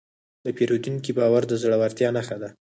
د پیرودونکي باور د زړورتیا نښه ده.